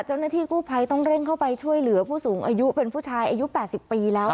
เจ้าหน้าที่กู้ภัยต้องเร่งเข้าไปช่วยเหลือผู้สูงอายุเป็นผู้ชายอายุ๘๐ปีแล้ว